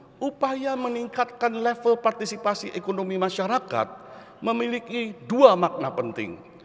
bahwa upaya meningkatkan level partisipasi ekonomi masyarakat memiliki dua makna penting